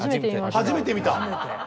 初めて見ました。